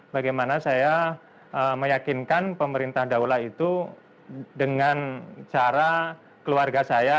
bagaimana saya meyakinkan pemerintah daulah itu dengan cara keluarga saya